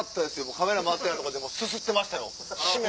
カメラ回ってないとこですすってましたよシメ。